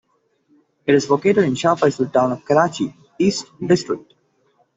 It is located in Shah Faisal town of Karachi East district.